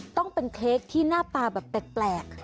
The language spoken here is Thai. ต้องเป็นเค้กที่หน้าตาแบบแปลก